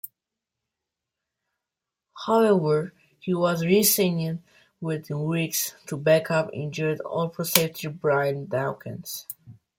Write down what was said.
However, he was re-signed within weeks to back up injured All-Pro safety Brian Dawkins.